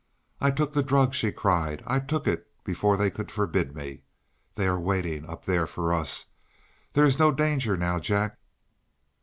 "I took the drug," she cried. "I took it before they could forbid me. They are waiting up there for us. There is no danger now, Jack."